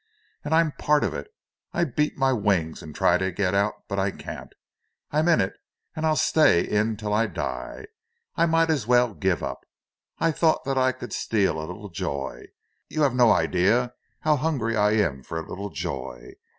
And I'm part of it—I beat my wings, and try to get out, but I can't. I'm in it, and I'll stay in till I die; I might as well give up. I thought that I could steal a little joy—you have no idea how hungry I am for a little joy!